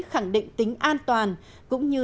khẳng định tính an toàn cũng như